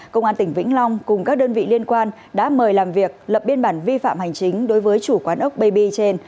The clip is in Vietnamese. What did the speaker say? công an tỉnh vĩnh long cùng các đơn vị liên quan đã mời làm việc lập biên bản vi phạm hành chính đối với chủ quán ốc baby trên